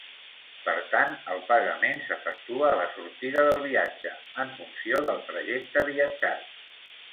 Per tant, el pagament s'efectua a la sortida del viatge, en funció del trajecte viatjat.